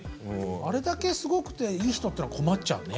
あれだけすごくていい人っていうのは困っちゃうね。